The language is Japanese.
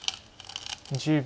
１０秒。